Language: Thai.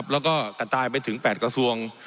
และกระต่ายไปถึง๘กระทรวง